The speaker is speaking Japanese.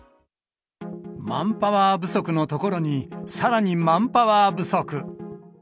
マンパワー不足のところに、さらにマンパワー不足。